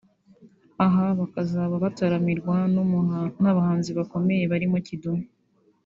aha bakazaba bataramirwa n’abahanzi bakomeye barimo Kidum